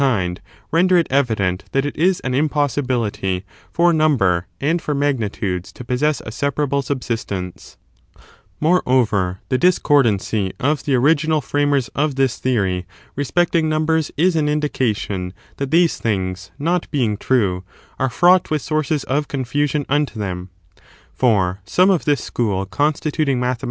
^j^jg kind, render it evident that it is an impos sibility for number and for magnitudes to possess a separable subsistence. 9. In the dis Moreover, the discordancy of the original cordancv of framcrs of this Theory respecting numbers is an these ^specufa^ indication that these things, not being true, are aSow ttie^faise ^^.ught with sources of coufusion unto them. hood of their For some of this school constituting mathema